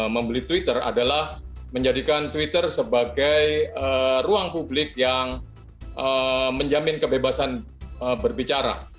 membeli twitter adalah menjadikan twitter sebagai ruang publik yang menjamin kebebasan berbicara